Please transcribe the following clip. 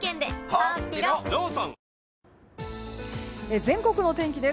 全国の天気です。